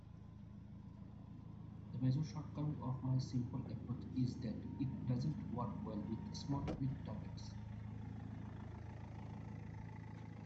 The major shortcoming of my simple approach is that it doesn't work well with small click targets.